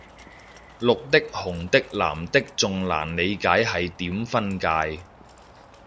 綠的紅的藍的仲難理解係點分界